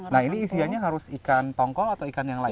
nah ini isiannya harus ikan tongkol atau ikan yang lain